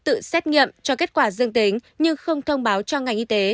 tự xét nghiệm cho kết quả dương tính nhưng không thông báo cho ngành y tế